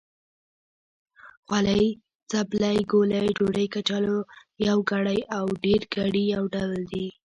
خولۍ، څپلۍ، ګولۍ، ډوډۍ، کچالو... يوګړی او ډېرګړي يو ډول دی.